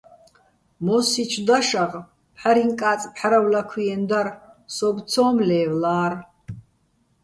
მო́სსიჩო̆ დაშაღ "ფჰ̦არიჼკაწ, ფჰ̦არავლაქვიენო̆" დარ, სოუბო̆ ცო́მ ლე́ვლა́რ.